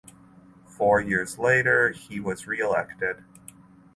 Four years later he was reelected.